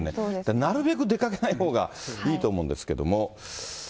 なるべく出かけないほうがいいと思うんですけども。